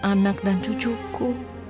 anak dan cucuku